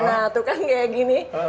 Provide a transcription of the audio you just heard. nah tuh kan kayak gini